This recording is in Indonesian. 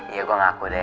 iya gue ngaku deh